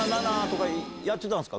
やってたんすか？